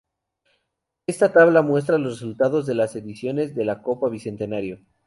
Esta tabla muestra los resultados de las ediciones de la Copa Bicentenario.